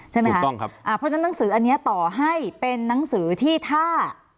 ถูกต้องครับอ่าเพราะฉะนั้นหนังสืออันนี้ต่อให้เป็นนังสือที่ถ้า